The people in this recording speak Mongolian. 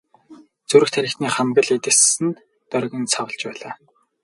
Зүрх тархины хамаг л эд эс нь доргин савлаж байлаа.